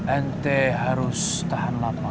ente harus tahan lapar